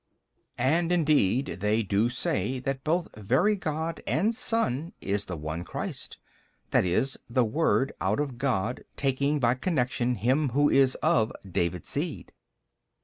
B. And indeed they do say that both Very God and Son is the One Christ, i. e., the Word out of God taking by connection him who is of David's seed.